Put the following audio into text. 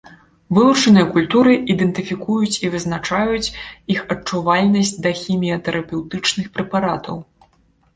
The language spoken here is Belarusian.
Вылучаныя культуры ідэнтыфікуюць і вызначаюць іх адчувальнасць да хіміятэрапеўтычных прэпаратаў.